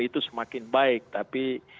itu semakin baik tapi